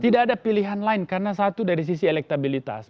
tidak ada pilihan lain karena satu dari sisi elektabilitas